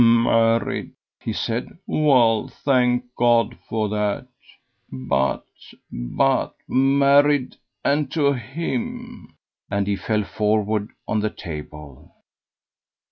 "Married!" he said. "Well, thank God for that! But but married, and to him!" and he fell forward on the table.